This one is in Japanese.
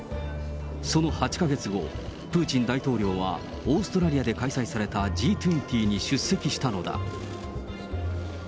その８か月後、プーチン大統領はオーストラリアで開催されたＧ２０に出席したのだ。